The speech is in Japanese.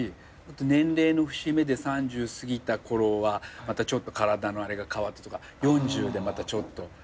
年齢の節目で３０すぎたころは体のあれが変わったとか４０でまたちょっと。